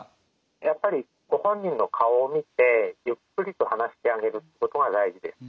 やっぱりご本人の顔を見てゆっくりと話してあげることが大事です。